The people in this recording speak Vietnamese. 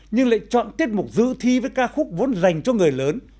nhưng lại chọn tiết mục dự thi với ca khúc vốn dành cho người lớn